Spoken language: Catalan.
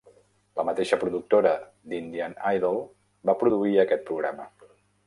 La mateixa productora d'"Indian Idol" va produir aquest programa.